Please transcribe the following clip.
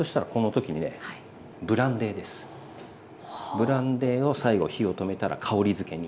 ブランデーを最後火を止めたら香りづけに。